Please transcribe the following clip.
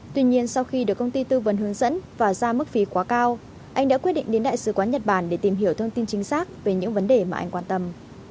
tuy nhiên sau khi được công ty tư vấn hướng dẫn và ra mức phí quá cao anh đã quyết định đến đại sứ quán nhật bản để tìm hiểu thông tin chính xác về những vấn đề mà anh quan tâm